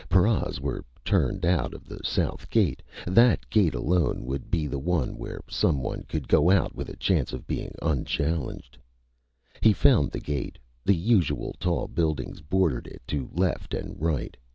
Paras were turned out of the south gate. That gate, alone, would be the one where someone could go out with a chance of being unchallenged. He found the gate. The usual tall buildings bordered it to left and right.